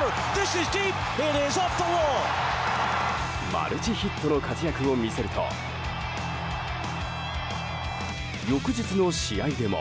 マルチヒットの活躍を見せると翌日の試合でも。